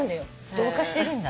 同化してるんだ。